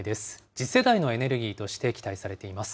次世代のエネルギーとして期待されています。